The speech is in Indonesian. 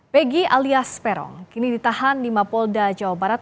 pegi alias peron kini ditahan di mapolda jawa barat